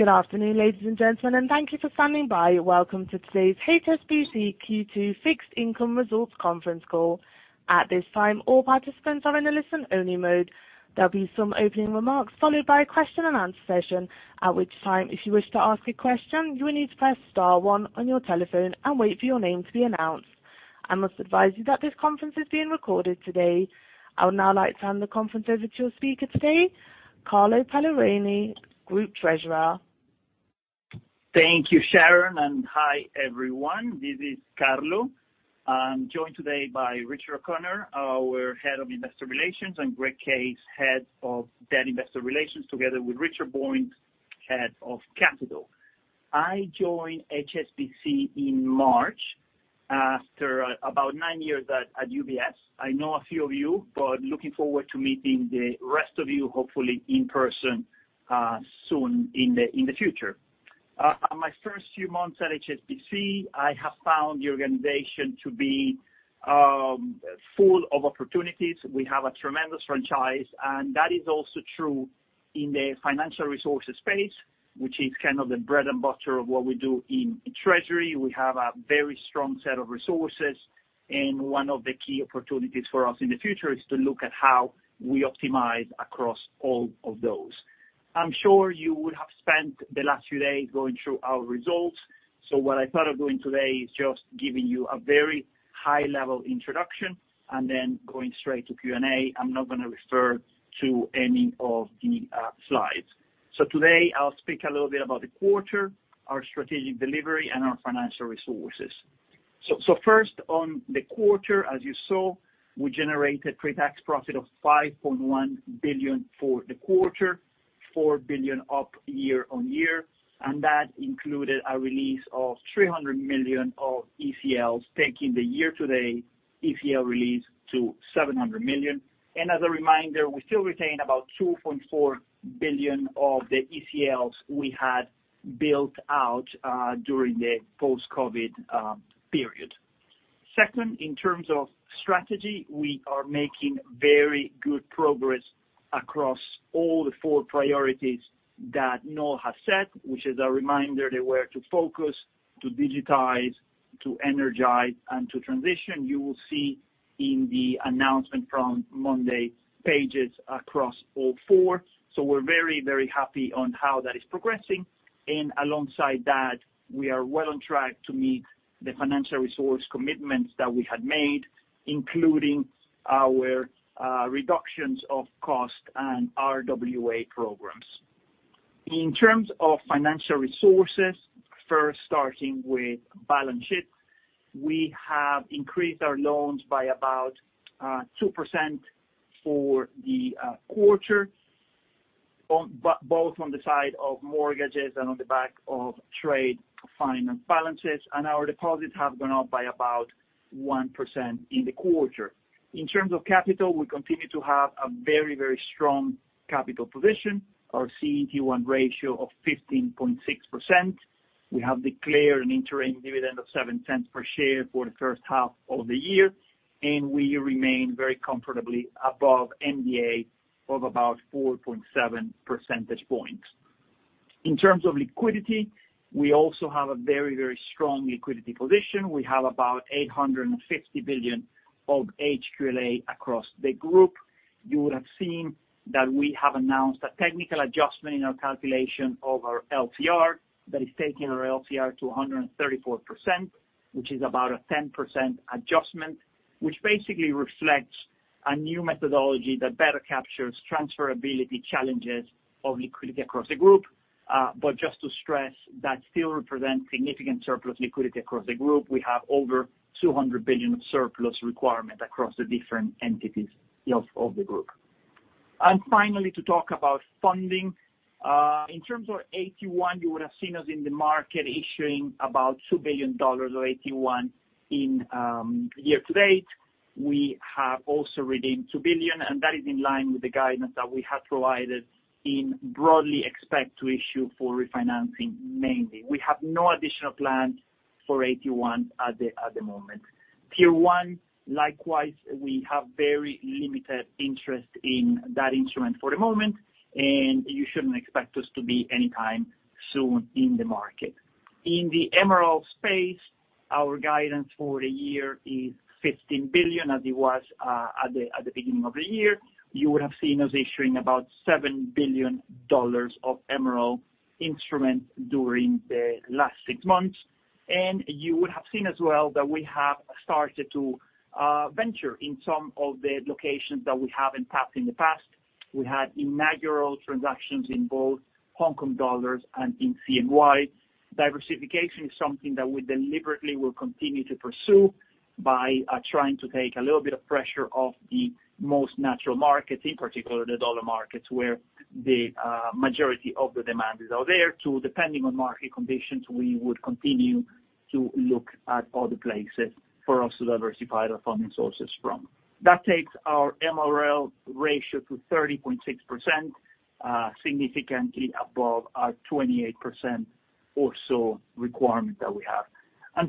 Good afternoon, ladies and gentlemen, and thank you for standing by. Welcome to today's HSBC Q2 Fixed Income Results Conference Call. At this time, all participants are in a listen-only mode. There'll be some opening remarks, followed by a question and answer session. At which time, if you wish to ask a question, you will need to press star one on your telephone and wait for your name to be announced. I must advise you that this conference is being recorded today. I would now like to hand the conference over to your speaker today, Faisal Yousaf, Group Treasurer. Thank you, Sharon. Hi, everyone. This is Faisal Yousaf. I'm joined today by Richard O'Connor, our Head of Investor Relations, and Greg Case, Head of Debt Investor Relations, together with Richard Boyd, Head of Capital. I joined HSBC in March after about nine years at UBS. I know a few of you. Looking forward to meeting the rest of you, hopefully in person, soon in the future. On my first few months at HSBC, I have found the organization to be full of opportunities. We have a tremendous franchise, and that is also true in the financial resources space, which is kind of the bread and butter of what we do in treasury. We have a very strong set of resources, and one of the key opportunities for us in the future is to look at how we optimize across all of those. I'm sure you would have spent the last few days going through our results. What I thought of doing today is just giving you a very high-level introduction and then going straight to Q&A. I'm not going to refer to any of the slides. Today, I'll speak a little bit about the quarter, our strategic delivery, and our financial resources. First, on the quarter, as you saw, we generated pre-tax profit of $5.1 billion for the quarter, $4 billion up year-on-year, and that included a release of $300 million of ECLs, taking the year-to-date ECL release to $700 million. As a reminder, we still retain about $2.4 billion of the ECLs we had built out during the post-COVID period. Second, in terms of strategy, we are making very good progress across all the four priorities that Noel has set, which is a reminder, they were to focus, to digitize, to energize, and to transition. You will see in the announcement from Monday pages across all four. We're very, very happy on how that is progressing. Alongside that, we are well on track to meet the financial resource commitments that we had made, including our reductions of cost and RWA programs. In terms of financial resources, first starting with balance sheets. We have increased our loans by about 2% for the quarter, both on the side of mortgages and on the back of trade finance balances, and our deposits have gone up by about 1% in the quarter. In terms of capital, we continue to have a very strong capital position. Our CET1 ratio of 15.6%. We have declared an interim dividend of $0.07 per share for the first half of the year, we remain very comfortably above MDA of about 4.7 percentage points. In terms of liquidity, we also have a very strong liquidity position. We have about $850 billion of HQLA across the group. You would have seen that we have announced a technical adjustment in our calculation of our LCR that is taking our LCR to 134%, which is about a 10% adjustment. Basically reflects a new methodology that better captures transferability challenges of liquidity across the group. Just to stress, that still represents significant surplus liquidity across the group. We have over $200 billion of surplus requirement across the different entities of the group. Finally, to talk about funding. In terms of AT1, you would have seen us in the market issuing about $2 billion of AT1 in year to date. We have also redeemed $2 billion, That is in line with the guidance that we have provided in broadly expect to issue for refinancing mainly. We have no additional plans for AT1 at the moment. Tier 1, likewise, we have very limited interest in that instrument for the moment, You shouldn't expect us to be anytime soon in the market. In the MREL space, our guidance for the year is $15 billion, as it was at the beginning of the year. You would have seen us issuing about $7 billion of MREL instrument during the last six months, You would have seen as well that we have started to venture in some of the locations that we haven't tapped in the past. We had inaugural transactions in both Hong Kong dollars and in CNY. Diversification is something that we deliberately will continue to pursue by trying to take a little bit of pressure off the most natural markets, in particular the dollar markets, where the majority of the demand is out there too. Depending on market conditions, we would continue to look at other places for us to diversify our funding sources from. That takes our MREL ratio to 30.6%, significantly above our 28% or so requirement that we have.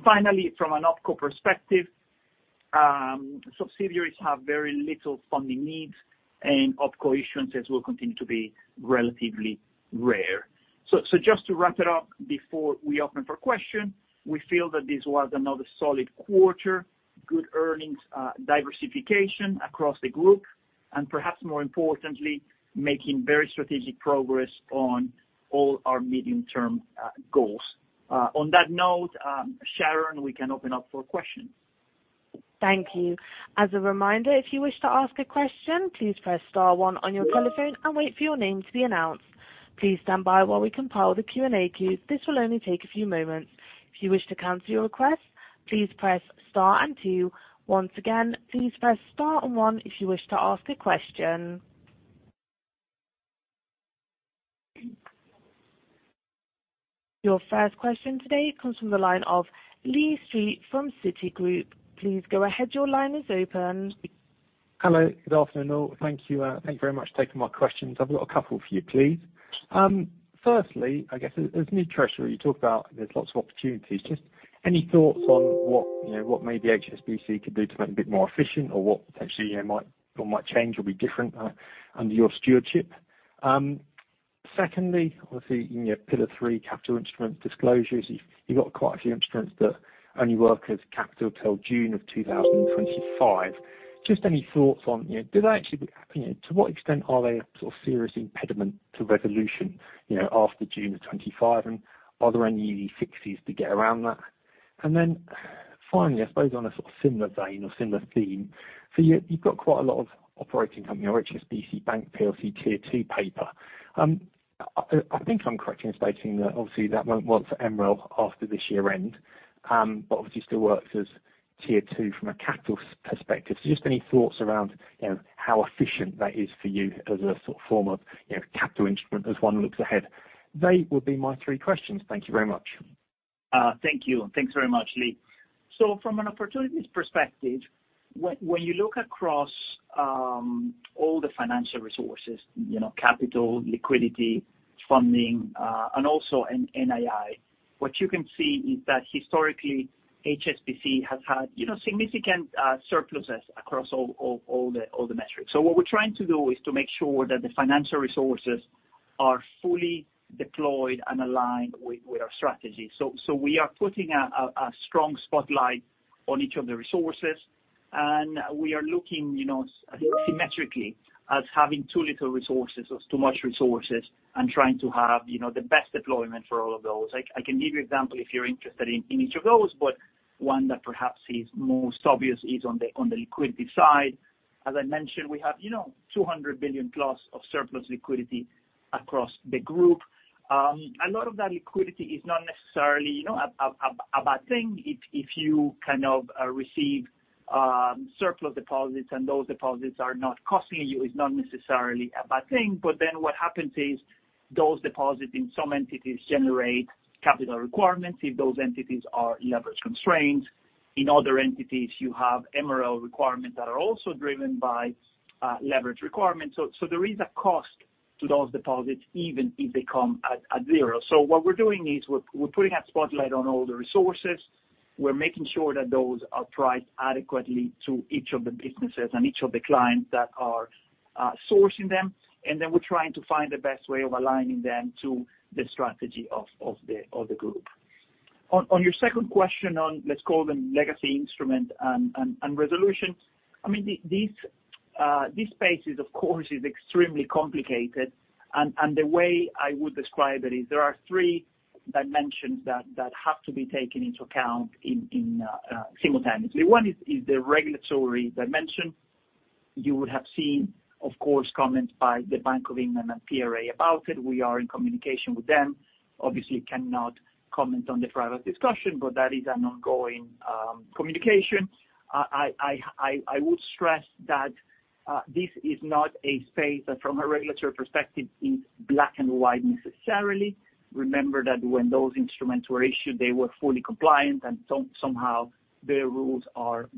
Finally, from an OpCo perspective. Subsidiaries have very little funding needs and OpCo issuance will continue to be relatively rare. Just to wrap it up before we open for questions, we feel that this was another solid quarter, good earnings diversification across the group, and perhaps more importantly, making very strategic progress on all our medium-term goals. On that note, Sharon, we can open up for questions. Thank you. As a reminder, if you wish to ask a question, please press star one on your telephone and wait for your name to be announced. Please stand by while we compile the Q&A queue. This will only take a few moments. If you wish to cancel your request, please press star and two. Once again, please press star and one if you wish to ask a question. Your first question today comes from the line of Lee Street from Citigroup. Please go ahead. Your line is open. Hello. Good afternoon. Thank you. Thank you very much for taking my questions. I've got a couple for you, please. Firstly, I guess, as new treasury, you talk about there's lots of opportunities. Just any thoughts on what maybe HSBC could do to make it a bit more efficient or what potentially might change or be different under your stewardship? Secondly, obviously, in your Pillar 3 capital instrument disclosures, you've got quite a few instruments that only work as capital till June of 2025. Just any thoughts on, to what extent are they a sort of serious impediment to resolution after June of 2025, and are there any easy fixes to get around that? Finally, I suppose on a sort of similar vein or similar theme, you've got quite a lot of operating company or HSBC Bank PLC Tier 2 paper. I think I'm correct in stating that obviously that won't work for MREL after this year-end, but obviously still works as Tier 2 from a capital perspective. Just any thoughts around how efficient that is for you as a sort of form of capital instrument as one looks ahead? They would be my three questions. Thank you very much. Th\ank you. Thanks very much, Lee. From an opportunities perspective, when you look across all the financial resources, capital, liquidity, funding, and also NII, what you can see is that historically HSBC has had significant surpluses across all the metrics. What we're trying to do is to make sure that the financial resources are fully deployed and aligned with our strategy. We are putting a strong spotlight on each of the resources, and we are looking asymmetrically as having too little resources or too much resources and trying to have the best deployment for all of those. I can give you example if you're interested in each of those, one that perhaps is most obvious is on the liquidity side. As I mentioned, we have $200 billion plus of surplus liquidity across the group. A lot of that liquidity is not necessarily a bad thing if you kind of receive surplus deposits and those deposits are not costing you, it's not necessarily a bad thing. What happens is those deposits in some entities generate capital requirements if those entities are leverage constrained. In other entities, you have MREL requirements that are also driven by leverage requirements. There is a cost to those deposits even if they come at zero. What we're doing is we're putting a spotlight on all the resources. We're making sure that those are priced adequately to each of the businesses and each of the clients that are sourcing them. Then we're trying to find the best way of aligning them to the strategy of the group. On your second question on, let's call them legacy instrument and resolution. I mean, this space is, of course, extremely complicated, and the way I would describe it is there are three dimensions that have to be taken into account simultaneously. One is the regulatory dimension. You would have seen, of course, comments by the Bank of England and PRA about it. We are in communication with them. Obviously cannot comment on the private discussion, but that is an ongoing communication. I would stress that this is not a space that from a regulatory perspective is black and white necessarily. Remember that when those instruments were issued, they were fully compliant, and somehow the rules are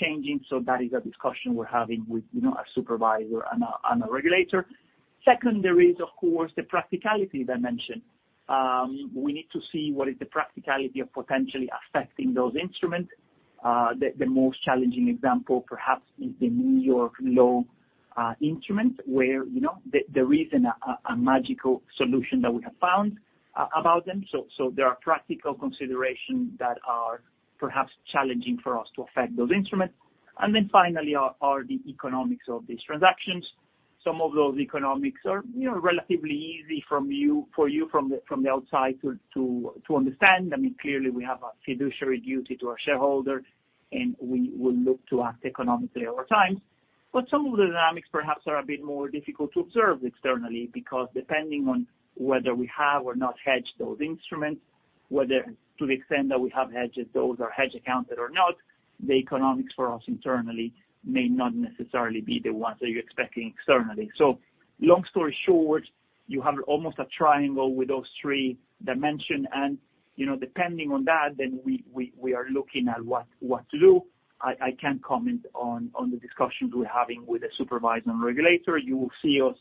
changing. That is a discussion we're having with our supervisor and our regulator. Second, there is, of course, the practicality dimension. We need to see what is the practicality of potentially affecting those instruments. The most challenging example, perhaps, is the New York law instrument, where there isn't a magical solution that we have found about them. There are practical considerations that are perhaps challenging for us to affect those instruments. Finally, are the economics of these transactions. Some of those economics are relatively easy for you from the outside to understand. I mean, clearly, we have a fiduciary duty to our shareholders, and we will look to act economically over time. Some of the dynamics perhaps are a bit more difficult to observe externally, because depending on whether we have or not hedged those instruments, whether to the extent that we have hedged those or hedge accounted or not, the economics for us internally may not necessarily be the ones that you're expecting externally. Long story short, you have almost a triangle with those three dimensions, and depending on that, we are looking at what to do. I can't comment on the discussions we're having with the supervisor and regulator. You will see us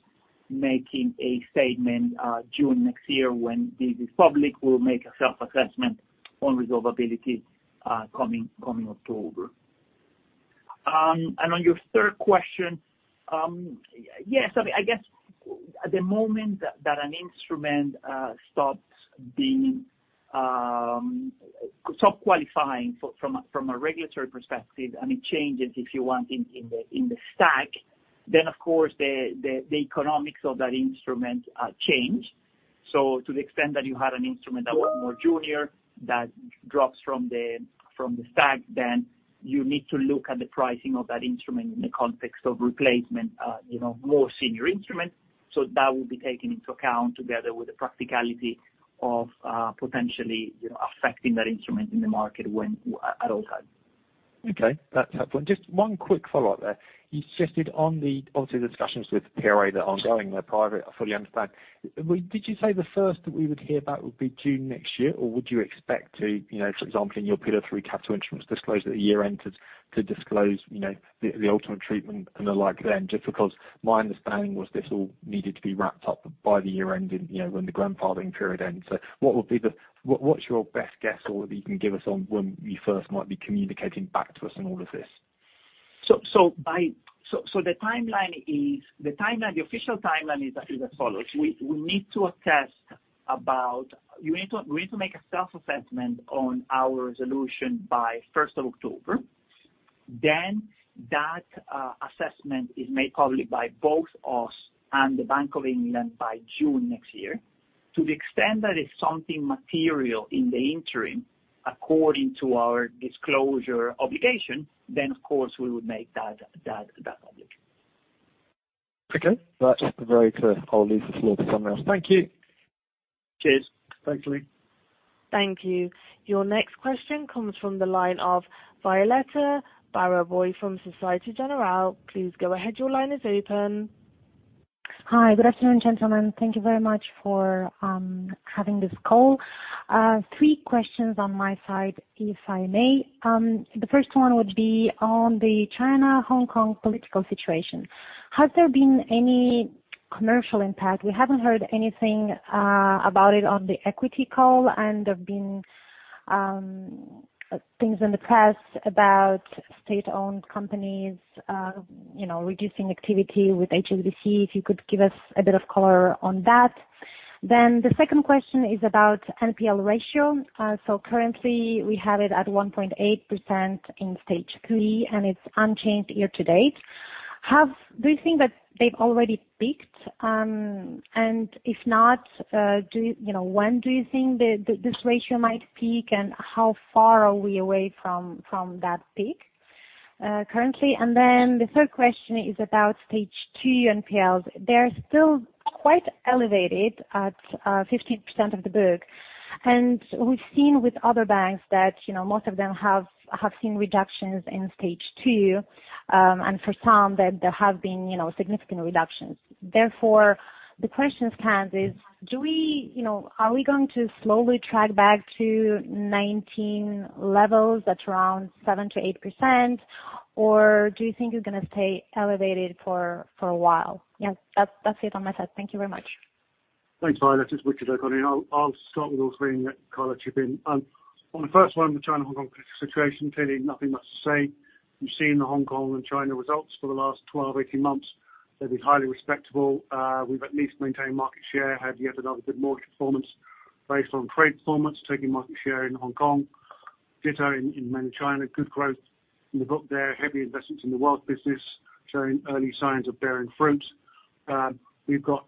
making a statement June next year when the public will make a self-assessment on resolvability coming October. On your third question, yes, I guess at the moment that an instrument stops qualifying from a regulatory perspective, and it changes, if you want, in the stack, of course, the economics of that instrument change. To the extent that you had an instrument that was more junior that drops from the stack, you need to look at the pricing of that instrument in the context of replacement, more senior instruments. That will be taken into account together with the practicality of potentially affecting that instrument in the market at all times. Okay, that's helpful. Just one quick follow-up there. You suggested on the Obviously, the discussions with the PRA, they're ongoing, they're private. I fully understand. Did you say the first that we would hear back would be June next year? Would you expect to, for example, in your Pillar 3 capital instruments disclose at the year-end to disclose the ultimate treatment and the like then? Just because my understanding was this all needed to be wrapped up by the year-end when the grandfathering period ends. What's your best guess, or that you can give us on when you first might be communicating back to us on all of this? The official timeline is as follows. We need to make a self-assessment on our resolution by 1 of October. That assessment is made public by both us and the Bank of England by June next year. To the extent that it's something material in the interim, according to our disclosure obligation, of course, we would make that public. Okay. That's very clear. I'll leave the floor to someone else. Thank you. Cheers. Thanks, Lee. Thank you. Your next question comes from the line of Violetta Baraboi from Société Générale. Please go ahead. Your line is open. Hi. Good afternoon, gentlemen. Thank you very much for having this call. Three questions on my side, if I may. The first one would be on the China/Hong Kong political situation. Has there been any commercial impact? We haven't heard anything about it on the equity call, and there've been things in the press about state-owned companies reducing activity with HSBC. If you could give us a bit of color on that. The second question is about NPL ratio. Currently, we have it at 1.8% in Stage 3, and it's unchanged year to date. Do you think that they've already peaked? If not, when do you think this ratio might peak, and how far are we away from that peak currently? The third question is about Stage 2 NPLs. They're still quite elevated at 15% of the book. We've seen with other banks that most of them have seen reductions in Stage 2. For some, there have been significant reductions. Therefore, the question stands is, are we going to slowly track back to 2019 levels at around 7%-8%, or do you think it's going to stay elevated for a while? Yes. That's it on my side. Thank you very much. Thanks, Violetta. It's Richard O'Connor. I'll start with all three and let Carlo chip in. On the first one, the China/Hong Kong political situation, clearly nothing much to say. You've seen the Hong Kong and China results for the last 12, 18 months. They've been highly respectable. We've at least maintained market share, had yet another good mortgage performance based on trade performance, taking market share in Hong Kong. Ditto in mainland China. Good growth in the book there. Heavy investments in the wealth business, showing early signs of bearing fruit. We've got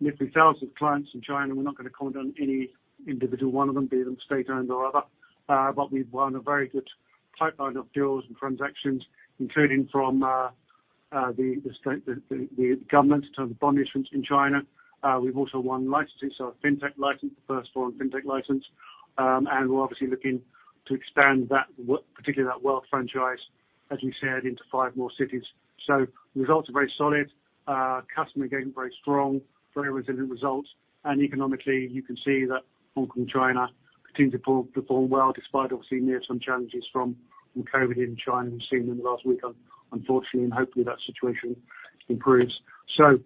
nearly thousands of clients in China. We're not going to comment on any individual one of them, be them state-owned or other. We've won a very good pipeline of deals and transactions, including from the government in terms of bond issuance in China. We've also won licenses, our fintech license, the first foreign fintech license. We're obviously looking to expand particularly that wealth franchise, as we said, into five more cities. Results are very solid. Customer engagement very strong. Very resilient results. Economically, you can see that Hong Kong, China continue to perform well despite obviously near-term challenges from COVID in China. We've seen them last week, unfortunately, and hopefully that situation improves. We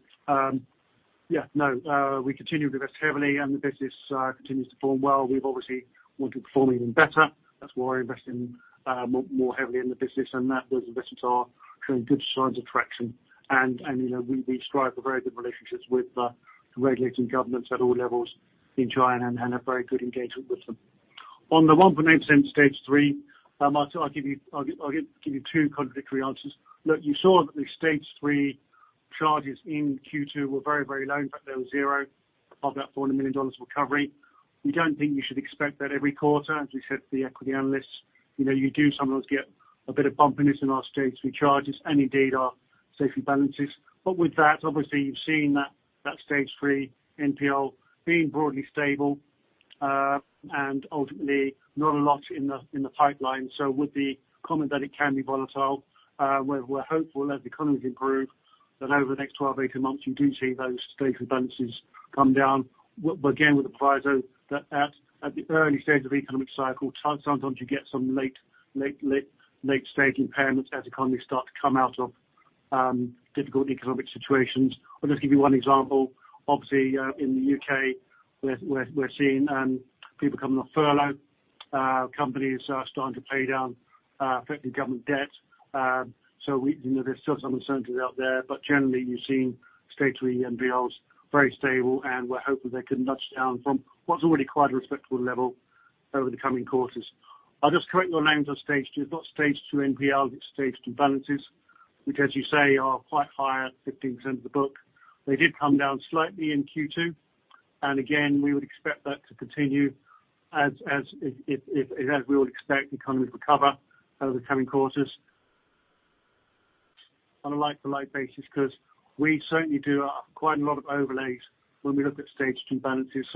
continue to invest heavily and the business continues to perform well. We've obviously wanted to perform even better. That's why we're investing more heavily in the business, and those investments are showing good signs of traction. We strive for very good relationships with the regulating governments at all levels in China and have very good engagement with them. On the 1.8% in Stage 3, I'll give you two contradictory answers. Look, you saw that the Stage 3 charges in Q2 were very, very low. In fact, they were zero above that $400 million recovery. We don't think you should expect that every quarter, as we said to the equity analysts. You do sometimes get a bit of bumpiness in our Stage 3 charges and indeed our safety balances. With that, obviously you've seen that Stage 3 NPL being broadly stable, and ultimately not a lot in the pipeline. With the comment that it can be volatile, we're hopeful as economies improve, that over the next 12, 18 months, you do see those saftey balances come down. Again, with the proviso that at the early stage of economic cycle, sometimes you get some late-stage impairments as economies start to come out of difficult economic situations. I'll just give you one example. Obviously, in the U.K. we're seeing people coming off furlough. Companies are starting to pay down particularly government debt. There's still some uncertainties out there, but generally, you're seeing Stage 2 NPLs very stable, and we're hopeful they can nudge down from what's already quite a respectable level over the coming quarters. I'll just correct your language on Stage 2. It's not Stage 2 NPL, it's Stage 2 balances, which, as you say, are quite high at 15% of the book. They did come down slightly in Q2. Again, we would expect that to continue as we would expect the economy to recover over the coming quarters on a like-to-like basis, because we certainly do have quite a lot of overlays when we look at Stage 2 balances.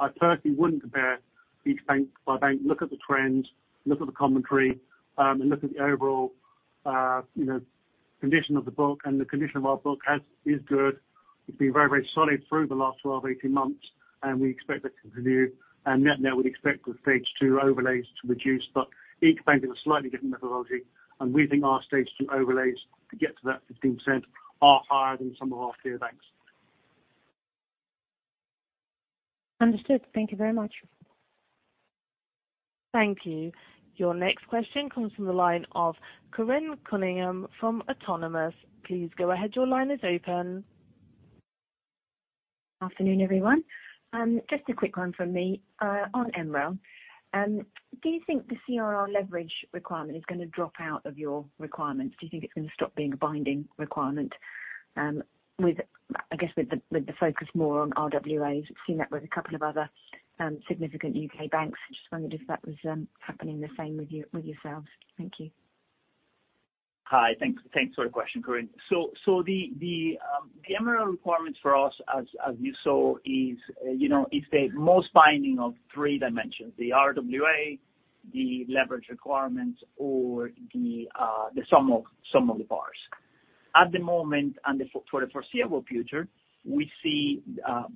I personally wouldn't compare each bank by bank. Look at the trends, look at the commentary, and look at the overall condition of the book, and the condition of our book is good. It's been very, very solid through the last 12, 18 months, and we expect that to continue. Net, we expect the Stage 2 overlays to reduce. Each bank has a slightly different methodology, and we think our Stage 2 overlays to get to that 15% are higher than some of our peer banks. Understood. Thank you very much. Thank you. Your next question comes from the line of Corinne Cunningham from Autonomous. Please go ahead. Your line is open. Afternoon, everyone. Just a quick one from me. On MREL, do you think the CRR leverage requirement is going to drop out of your requirements? Do you think it's going to stop being a binding requirement? I guess with the focus more on RWAs. We've seen that with a couple of other significant U.K. banks. Just wondered if that was happening the same with yourselves. Thank you. Hi. Thanks for the question, Corinne. The MREL requirements for us as you saw is the most binding of three dimensions, the RWA, the leverage requirements or the sum of the parts. At the moment, and for the foreseeable future, we see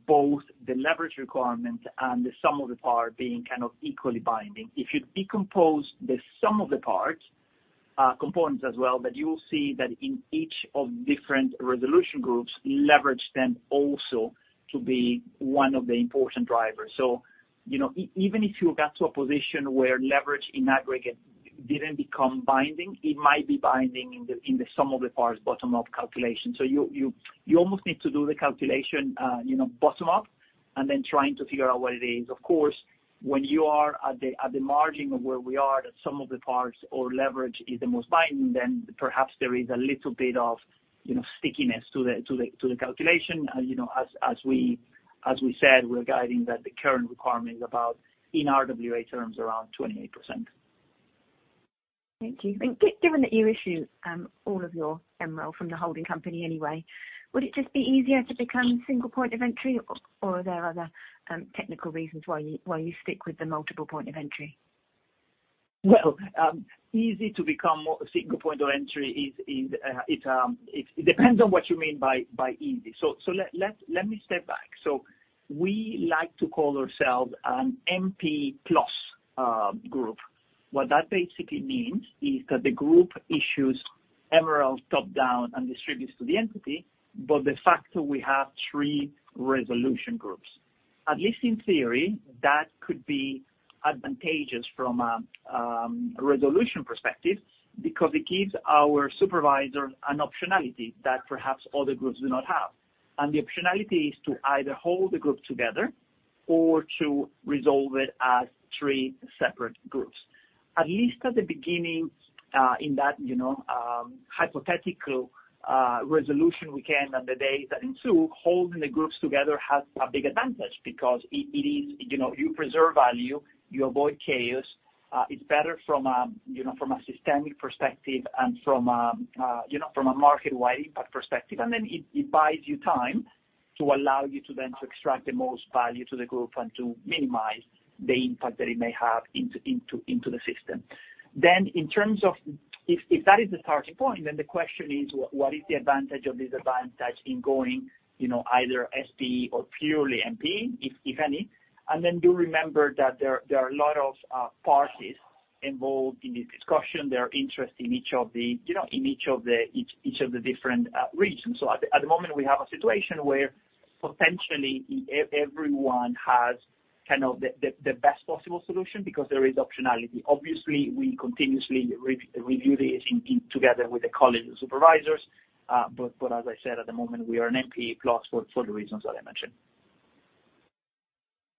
both the leverage requirement and the sum of the part being kind of equally binding. If you decompose the sum of the parts, components as well, but you will see that in each of different resolution groups, leverage tends also to be one of the important drivers. Even if you got to a position where leverage in aggregate didn't become binding, it might be binding in the sum of the parts bottom-up calculation. You almost need to do the calculation bottom-up and then trying to figure out what it is. When you are at the margin of where we are, that sum of the parts or leverage is the most binding, then perhaps there is a little bit of stickiness to the calculation. As we said, we're guiding that the current requirement is about, in RWA terms, around 28%. Thank you. Given that you issue all of your MREL from the holding company anyway, would it just be easier to become single point of entry, or are there other technical reasons why you stick with the multiple point of entry? Well, easy to become single point of entry, it depends on what you mean by easy. Let me step back. We like to call ourselves an MPE-plus group. What that basically means is that the group issues MREL top-down and distributes to the entity, but de facto, we have three resolution groups. At least in theory, that could be advantageous from a resolution perspective because it gives our supervisor an optionality that perhaps other groups do not have. The optionality is to either hold the group together or to resolve it as three separate groups. At least at the beginning, in that hypothetical resolution weekend on the day, I think to holding the groups together has a big advantage because you preserve value, you avoid chaos, it's better from a systemic perspective and from a market-wide impact perspective. It buys you time to allow you to then to extract the most value to the group and to minimize the impact that it may have into the system. In terms of if that is the starting point, the question is, what is the advantage of this advantage in going either SPE or purely MP, if any? Do remember that there are a lot of parties involved in this discussion. There are interests in each of the different regions. At the moment, we have a situation where potentially everyone has the best possible solution because there is optionality. Obviously, we continuously review this together with the college supervisors. As I said, at the moment, we are an MPE-plus for the reasons that I mentioned.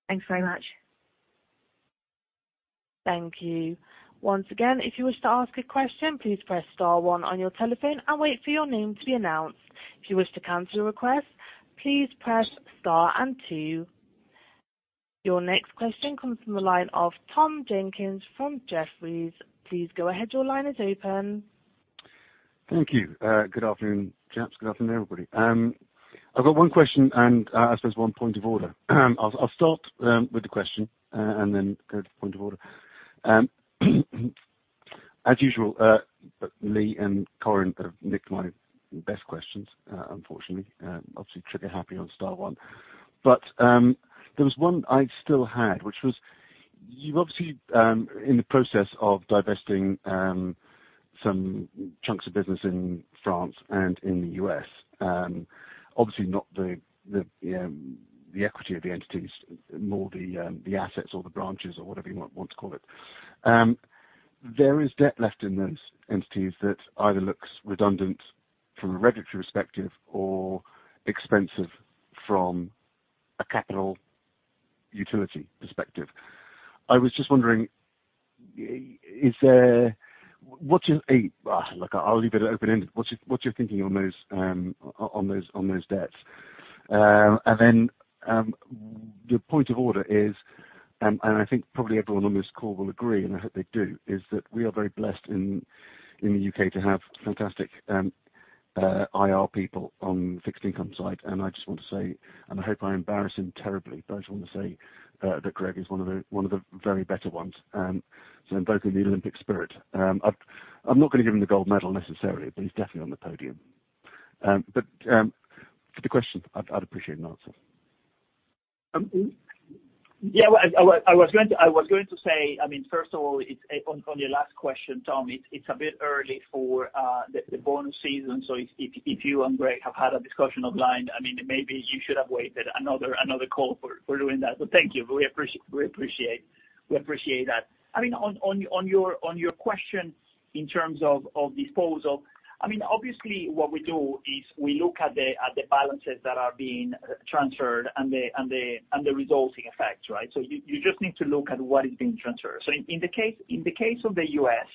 Thanks very much. Your next question comes from the line of Tom Jenkins from Jefferies. Please go ahead. Your line is open. Thank you. Good afternoon, chaps. Good afternoon, everybody. I've got one question and I suppose one point of order. I'll start with the question, and then go to the point of order. As usual, Lee and Corin have nicked my best questions, unfortunately. Obviously, trigger-happy on star one. There was one I still had, which was, you're obviously in the process of divesting some chunks of business in France and in the U.S. Obviously, not the equity of the entities, more the assets or the branches or whatever you want to call it. There is debt left in those entities that either looks redundant from a regulatory perspective or expensive from a capital utility perspective. I was just wondering, I'll leave it open-ended. What's your thinking on those debts? Your point of order is, and I think probably everyone on this call will agree, and I hope they do, is that we are very blessed in the U.K. to have fantastic IR people on the fixed income side. I just want to say, and I hope I embarrass him terribly, but I just want to say that Greg is one of the very better ones. Invoking the Olympic spirit, I'm not going to give him the gold medal necessarily, but he's definitely on the podium. For the question, I'd appreciate an answer. I was going to say, first of all, on your last question, Tom, it's a bit early for the bonus season. If you and Greg have had a discussion offline, maybe you should have waited another call for doing that. Thank you, we appreciate that. On your question in terms of disposal, obviously what we do is we look at the balances that are being transferred and the resulting effects, right? You just need to look at what is being transferred. In the case of the U.S.,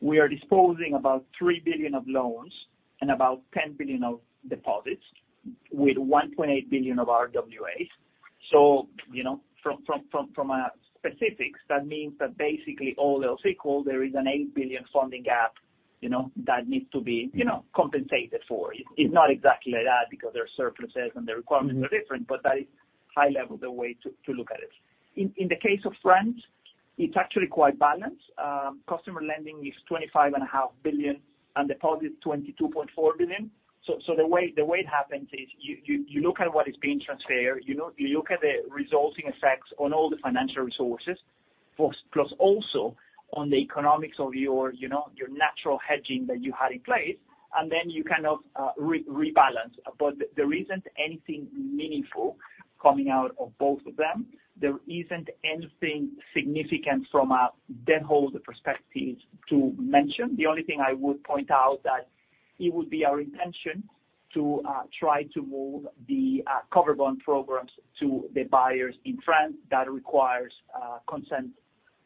we are disposing about $3 billion of loans and about $10 billion of deposits with $1.8 billion of RWAs. From specifics, that means that basically all else equal, there is an $8 billion funding gap that needs to be compensated for. It's not exactly like that because there are surpluses and the requirements are different, but that is high level the way to look at it. In the case of France, it's actually quite balanced. Customer lending is $25.5 billion and deposit $22.4 billion. The way it happens is you look at what is being transferred, you look at the resulting effects on all the financial resources, plus also on the economics of your natural hedging that you had in place, and then you kind of rebalance. There isn't anything meaningful coming out of both of them. There isn't anything significant from a debt holder perspective to mention. The only thing I would point out that it would be our intention to try to move the covered bond programs to the buyers in France. That requires consent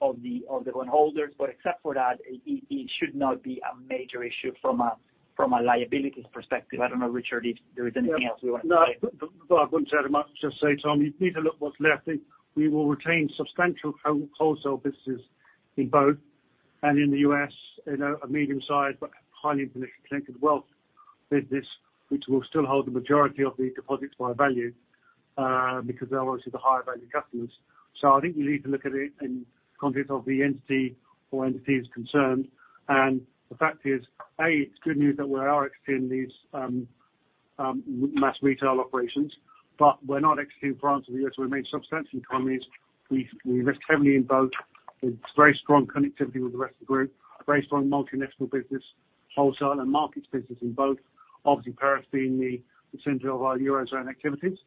of the bondholders. Except for that, it should not be a major issue from a liabilities perspective. I don't know, Richard, if there is anything else you want to say. No. I wouldn't say much. Just say, Tom, you need to look what's left. We will retain substantial wholesale businesses in both and in the U.S., a medium-sized but highly interconnected wealth business, which will still hold the majority of the deposits by value, because they are obviously the higher value customers. I think you need to look at it in context of the entity or entities concerned. The fact is, A, it's good news that we are exiting these mass retail operations, but we're not exiting France and the U.S. We made substantial economies. We invest heavily in both. It's very strong connectivity with the rest of the group, a very strong multinational business, wholesale and markets business in both. Obviously, Paris being the center of our Eurozone activities,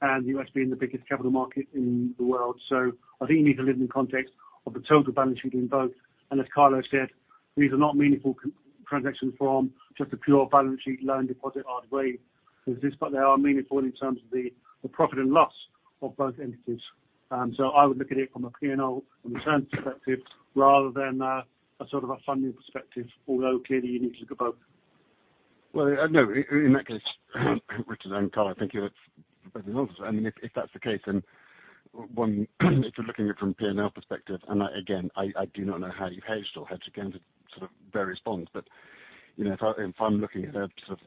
and U.S. being the biggest capital market in the world. I think you need to look in the context of the total balance sheet in both. As Faisal said, these are not meaningful transactions from just a pure balance sheet loan deposit RWA. They are meaningful in terms of the profit and loss of both entities. I would look at it from a P&L and return perspective rather than a sort of a funding perspective, although clearly you need to look at both. Well, no, in that case, Richard and Faisal Yousaf, thank you. That's very helpful. If that's the case, one, if you're looking at it from a P&L perspective, again, I do not know how you've hedged or hedge against sort of various bonds, if I'm looking at a sort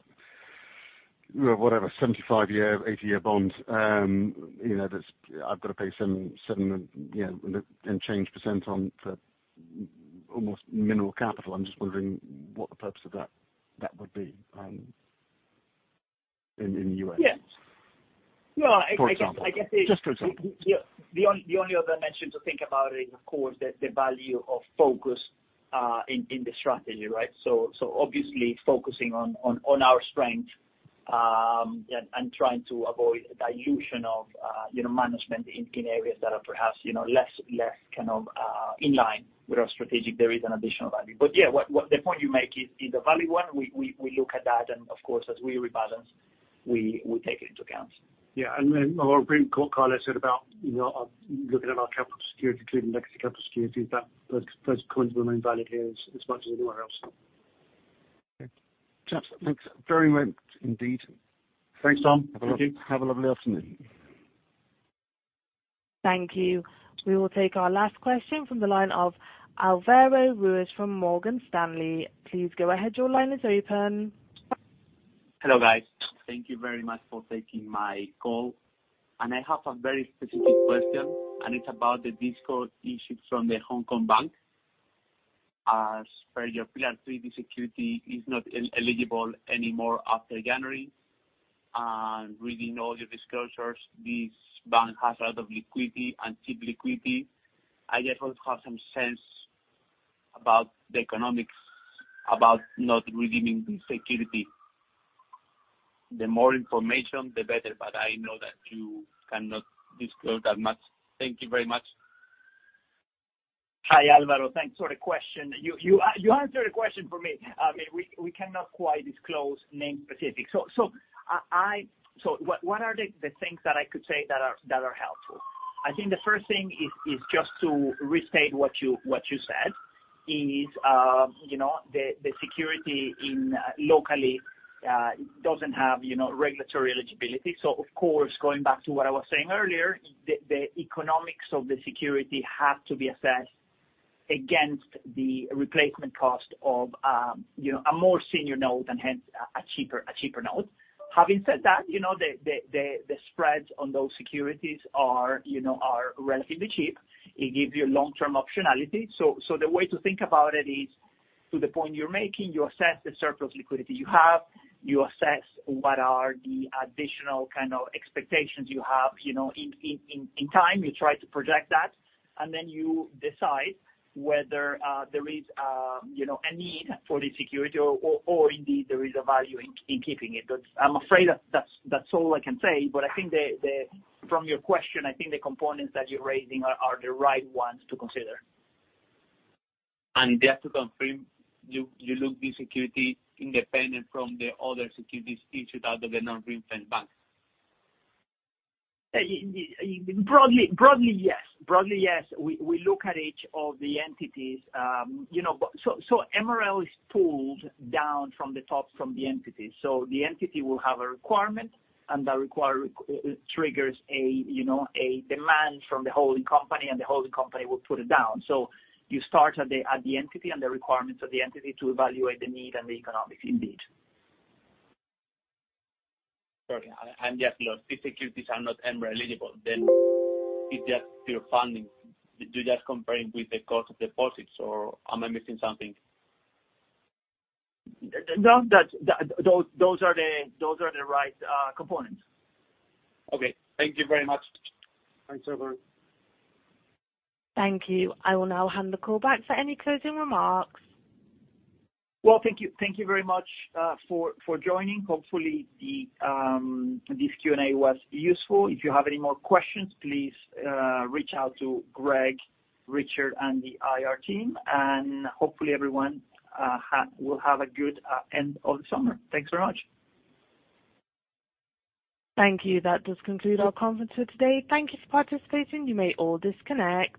of, whatever, 75-year, 80-year bond that I've got to pay seven and change percent on for almost minimal capital, I'm just wondering what the purpose of that would be in the U.S. Yeah. For example. Just for example. The only other mention to think about is, of course, the value of focus in the strategy, right? Obviously focusing on our strength and trying to avoid dilution of management in areas that are perhaps less kind of in line with our strategic, there is an additional value. Yeah, the point you make is a valid one. We look at that, and of course, as we rebalance, we take it into account. Yeah. I'll bring what Faisal Yousaf said about looking at our capital security, including legacy capital securities, that those points remain valid here as much as anywhere else. Okay. Chaps, thanks very much indeed. Thanks, Tom. Thank you. Have a lovely afternoon. Thank you. We will take our last question from the line of Alvaro Ruiz from Morgan Stanley. Please go ahead, your line is open. Hello guys. Thank you very much for taking my call. I have a very specific question and it's about the discourse issued from the Hong Kong Bank. As per your Pillar 3, the security is not eligible anymore after January, and reading all your disclosures, this bank has a lot of liquidity and cheap liquidity. I just want to have some sense about the economics about not redeeming the security. The more information, the better, but I know that you cannot disclose that much. Thank you very much. Hi, Alvaro. Thanks for the question. You answered a question for me. We cannot quite disclose name specifics. What are the things that I could say that are helpful? I think the first thing is just to restate what you said, the security locally doesn't have regulatory eligibility. Of course, going back to what I was saying earlier, the economics of the security have to be assessed against the replacement cost of a more senior note and hence a cheaper note. Having said that, the spreads on those securities are relatively cheap. It gives you long-term optionality. The way to think about it is, to the point you're making, you assess the surplus liquidity you have, you assess what are the additional kind of expectations you have in time, you try to project that, and then you decide whether there is a need for the security or indeed there is a value in keeping it. I'm afraid that's all I can say, but I think from your question, I think the components that you're raising are the right ones to consider. Just to confirm, you look the security independent from the other securities issued out of the non-ring-fenced bank? Broadly, yes. We look at each of the entities. MREL is pooled down from the top, from the entity. The entity will have a requirement, and that requirement triggers a demand from the holding company, and the holding company will put it down. You start at the entity and the requirements of the entity to evaluate the need and the economics indeed. Sorry, just look, if securities are not MREL eligible, then it's just pure funding. Do you just compare it with the cost of deposits or am I missing something? No, those are the right components. Okay. Thank you very much. Thanks, Alvaro. Thank you. I will now hand the call back for any closing remarks. Well, thank you very much for joining. Hopefully this Q&A was useful. If you have any more questions, please reach out to Greg, Richard, and the IR team, and hopefully everyone will have a good end of the summer. Thanks very much. Thank you. That does conclude our conference for today. Thank you for participating. You may all disconnect.